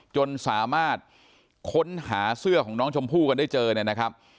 จนสามารถค้นหาเสื้อของน้องชมพู่กันได้เจอเนี่ยนะครับ